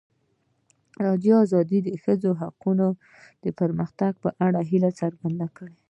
ازادي راډیو د د ښځو حقونه د پرمختګ په اړه هیله څرګنده کړې.